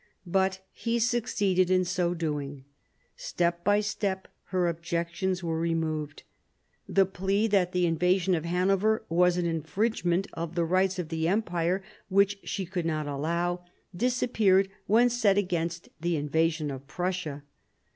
But he succeeded in so doing. Step by step her objections were remove<J. The plea that the invasion of Hanover was an infringement of the rights of the empire which she could not allow, disappeared when set against the invasion of Prussia.